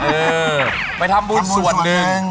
เออไปทำบุญส่วนหนึ่ง